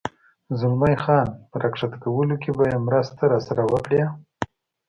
زلمی خان په را کښته کولو کې به یې مرسته راسره وکړې؟